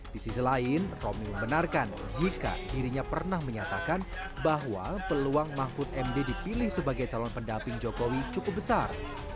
di sisi lain romi membenarkan jika dirinya pernah menyatakan bahwa peluang mahfud md dipilih sebagai calon pendamping jokowi cukup besar